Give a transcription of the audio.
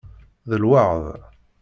D lweεd.